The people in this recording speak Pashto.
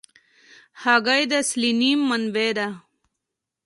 هګۍ د سلینیم منبع ده.